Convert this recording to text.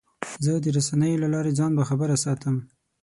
زه د رسنیو له لارې ځان باخبره ساتم.